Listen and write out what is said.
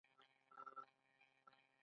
د کتاب سپکاوی د پوهې سپکاوی دی.